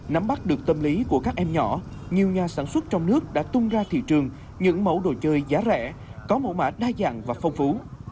nắm bắt được tâm lý của các em nhỏ nhiều nhà sản xuất trong nước đã tung ra thị trường những mẫu đồ chơi giá rẻ có mẫu mã đa dạng và phong phú